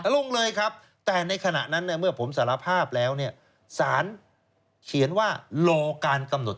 ลงไปเลยหรือฮะครับลงเลยครับ